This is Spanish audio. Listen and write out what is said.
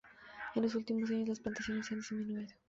En los últimos años, las plantaciones han disminuido.